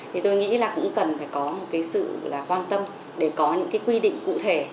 thì tôi nghĩ là cũng cần phải có một cái sự là quan tâm để có những cái quy định cụ thể